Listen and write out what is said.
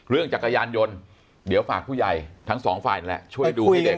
เรื่องจักรยานยนต์เดี๋ยวฝากผู้ใหญ่ทั้ง๒ฟายแล้วช่วยดูใน